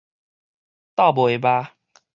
鬥袂峇